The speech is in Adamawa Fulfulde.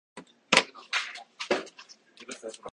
Yaare wii, fowru bana pamɗiri mi, nii, mi haɗan suka hiirugo.